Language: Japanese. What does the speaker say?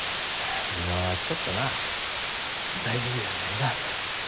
今はちょっとな大丈夫やないな。